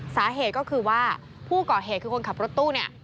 สาเหตุก็คือว่าผู้ก่อเหตุคือคนขับรถตู้เนี่ย